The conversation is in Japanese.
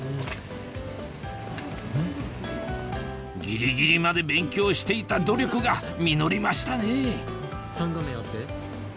ギリギリまで勉強していた努力が実りましたねぇ！